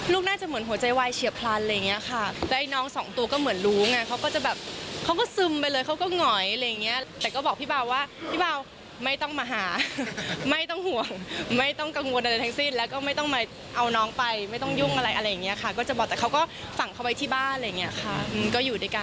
น่าจะเหมือนหัวใจวายเฉียบพลันอะไรอย่างเงี้ยค่ะแล้วน้องสองตัวก็เหมือนรู้ไงเขาก็จะแบบเขาก็ซึมไปเลยเขาก็หงอยอะไรอย่างเงี้ยแต่ก็บอกพี่เบาว่าพี่เบาไม่ต้องมาหาไม่ต้องห่วงไม่ต้องกังวลอะไรทั้งสิ้นแล้วก็ไม่ต้องมาเอาน้องไปไม่ต้องยุ่งอะไรอะไรอย่างเงี้ยค่ะก็จะบอกแต่เขาก็ฝั่งเขาไว้ที่บ้านอะไรอย่างเงี้ยค่ะ